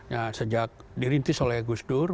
ya sejak dirintis oleh gus dur